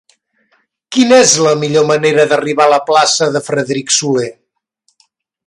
Quina és la millor manera d'arribar a la plaça de Frederic Soler?